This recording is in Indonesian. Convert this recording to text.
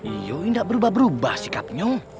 iya indah berubah berubah sikapnya